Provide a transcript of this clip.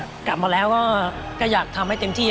นอกจากนักเตะรุ่นใหม่จะเข้ามาเป็นตัวขับเคลื่อนทีมชาติไทยชุดนี้แล้ว